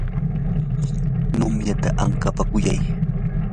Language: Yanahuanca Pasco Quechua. numyata ankapakuyay.